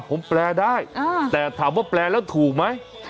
ผมแปลได้แต่ถามว่าแปลแล้วถูกไหม